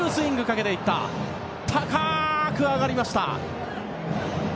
かーく上がりました。